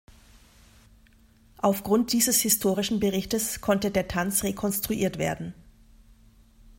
Aufgrund dieses historischen Berichtes konnte der Tanz rekonstruiert werden.